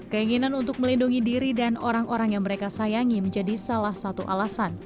keinginan untuk melindungi diri dan orang orang yang mereka sayangi menjadi salah satu alasan